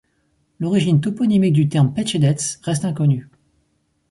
L'origine toponymique du terme Petchedetz reste inconnue.